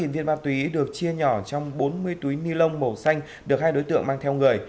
tám viên ma túy được chia nhỏ trong bốn mươi túy ni lông màu xanh được hai đối tượng mang theo người